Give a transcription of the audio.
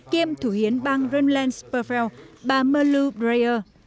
kiêm thủ hiến bang remlensperfeld bà melu breyer